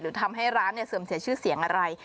ทำให้ร้านเสื่อมเสียชื่อเสียงอะไร